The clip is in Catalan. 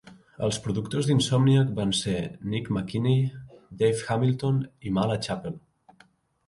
Els productors d'Insomniac van ser Nick McKinney, Dave Hamilton i Mala Chapple.